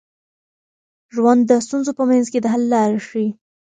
ژوند د ستونزو په منځ کي د حل لارې ښيي.